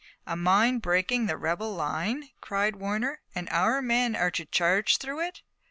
"A mine breaking the rebel line!" cried Warner, "and our men are to charge through it!"